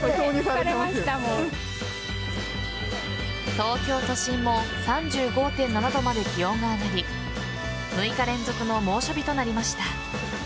東京都心も３５．７度まで気温が上がり６日連続の猛暑日となりました。